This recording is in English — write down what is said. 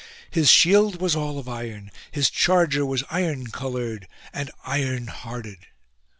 His shield was all of iron : his charger was iron coloured and iron hearted.